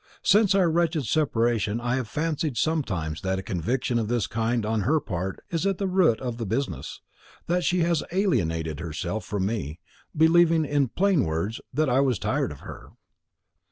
Since our wretched separation I have fancied sometimes that a conviction of this kind on her part is at the root of the business, that she has alienated herself from me, believing in plain words that I was tired of her."